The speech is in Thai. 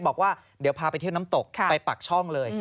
บอกว่าเดี๋ยวพาไปเที่ยวน้ำตกไปปากช่องเลย